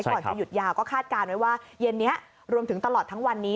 ก่อนจะหยุดยาวก็คาดการณ์ไว้ว่าเย็นนี้รวมถึงตลอดทั้งวันนี้